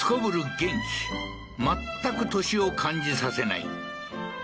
元気全く年を感じさせない